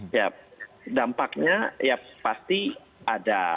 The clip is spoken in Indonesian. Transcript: ya dampaknya ya pasti ada